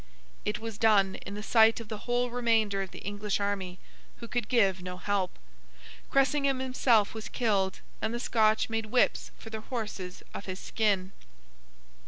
It was done, in the sight of the whole remainder of the English army, who could give no help. Cressingham himself was killed, and the Scotch made whips for their horses of his skin.